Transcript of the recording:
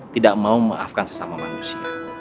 tidak mau memaafkan sesama manusia